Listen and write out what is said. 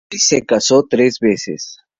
Cowley se casó tres veces.